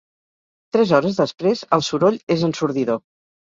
Tres hores després, el soroll és ensordidor.